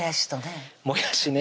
もやしとね